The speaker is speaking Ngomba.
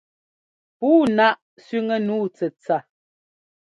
Puu náʼ sẅiŋɛ́ nǔu tsɛtsa.